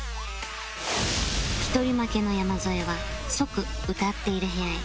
一人負けの山添は即歌っている部屋へ